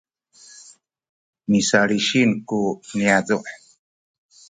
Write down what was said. misalisin ku niyazu’